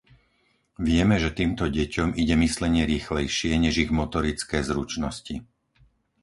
Vieme, že týmto deťom ide myslenie rýchlejšie než ich motorické zručnosti.